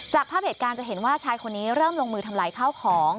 ภาพเหตุการณ์จะเห็นว่าชายคนนี้เริ่มลงมือทำลายข้าวของ